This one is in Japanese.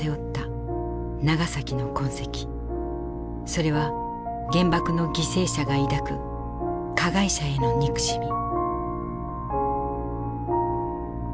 それは原爆の犠牲者が抱く加害者への憎しみ。